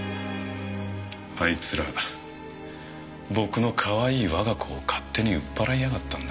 あいつら僕のかわいい我が子を勝手に売っぱらいやがったんだ。